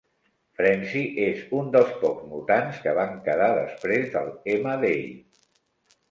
Frenzy és un dels pocs mutants que van quedar després del M-Day.